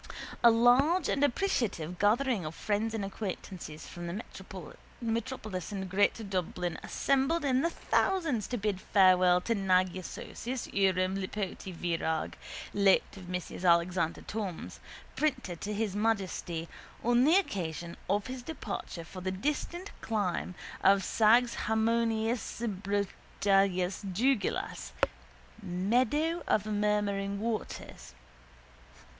A large and appreciative gathering of friends and acquaintances from the metropolis and greater Dublin assembled in their thousands to bid farewell to Nagyaságos uram Lipóti Virag, late of Messrs Alexander Thom's, printers to His Majesty, on the occasion of his departure for the distant clime of Százharminczbrojúgulyás Dugulás (Meadow of Murmuring Waters).